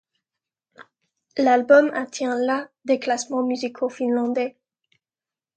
L'album atteint la des classements musicaux finlandais.